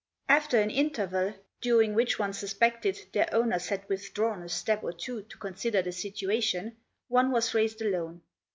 After an interval, during which, one suspected, their owners had withdrawn a step or two to consider the situation, one was raised alone.